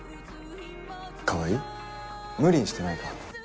川合無理してないか？